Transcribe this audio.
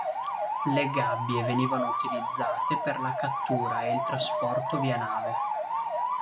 Le gabbie venivano utilizzate per la cattura e il trasporto via nave.